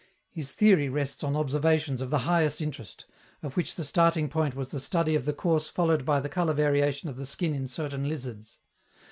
His theory rests on observations of the highest interest, of which the starting point was the study of the course followed by the color variation of the skin in certain lizards.